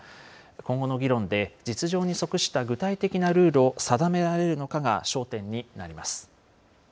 今後の議論で実情に即した具体的なルールを定められるのかが焦点になります。